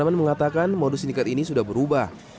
arman mengatakan modus indikat ini sudah berubah